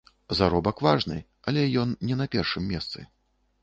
Заробак важны, але ён не на першым месцы.